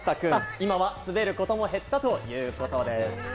今は滑ることも減ったそうです。